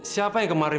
siapa yang kemarin